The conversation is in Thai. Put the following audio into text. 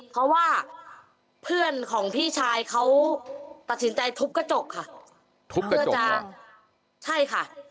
เพราะว่าเพื่อนของพี่ชายเขาตัดสินใจทุบกระจกค่ะทุบเพื่อจะใช่ค่ะ